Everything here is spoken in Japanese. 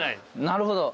なるほど。